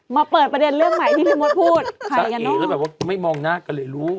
มาเปิดประเด็นเรื่องใหม่ที่พี่โมสพูดจ้ะอีแล้วแบบว่าไม่มองหน้ากันเลยรู้